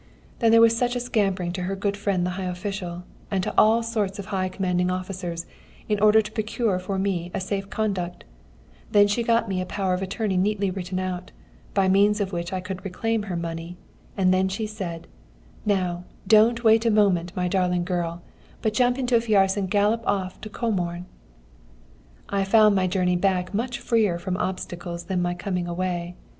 "Then there was such a scampering to her good friend the high official, and to all sorts of high commanding officers, in order to procure for me a safe conduct; then she got me a power of attorney neatly written out, by means of which I could reclaim her money, and then she said: 'Now, don't wait a moment, my darling girl, but jump into a fiacre and gallop off to Comorn.' "I found my journey back much freer from obstacles than my coming away.